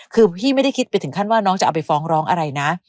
คือพี่ไม่ได้คิดไปถึงขั้นว่าน้องจะเอาไปฟ้องร้องอะไรนะ